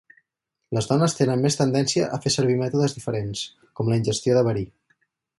Les dones tenen més tendència a fer servir mètodes diferents, com la ingestió de verí.